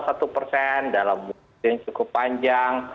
yang cukup panjang